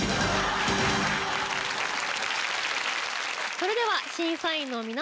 それでは審査員の皆さん